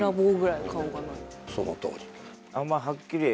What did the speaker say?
そのとおり。